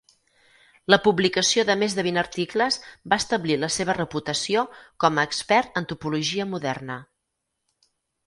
La publicació de més de vint articles va establir la seva reputació com a "expert en topologia moderna".